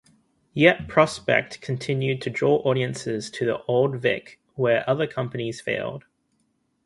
Yet Prospect continued to draw audiences to the Old Vic where other companies failed.